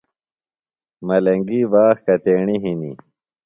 ملنگی باغ کتیݨی ہِنی؟